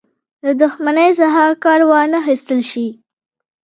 دښمنۍ څخه کار وانه خیستل شي.